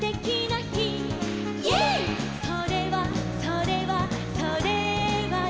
「それはそれはそれはね」